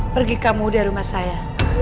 pergi kamu dari rumah saya